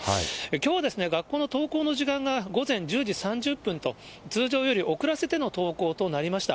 きょう、学校の登校の時間が午前１０時３０分と、通常より遅らせての登校となりました。